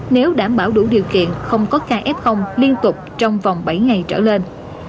nếu đảm bảo đủ điều kiện không có kf liên tục trong vòng bảy ngày trở lên